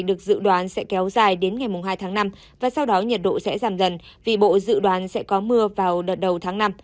được dự đoán sẽ kéo dài đến ngày hai tháng năm và sau đó nhiệt độ sẽ giảm dần vì bộ dự đoán sẽ có mưa vào đợt đầu tháng năm